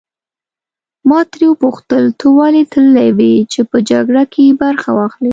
ما ترې وپوښتل ته ولې تللی وې چې په جګړه کې برخه واخلې.